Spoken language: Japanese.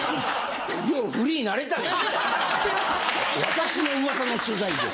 「私の噂の取材力」。